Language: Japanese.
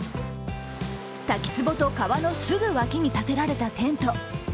滝つぼと川のすぐ脇に建てられたテント。